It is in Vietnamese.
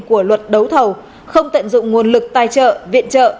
của luật đấu thầu không tận dụng nguồn lực tài trợ viện trợ